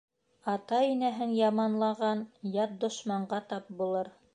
Ата-инәһен яманлаған ят дошманға тап булыр.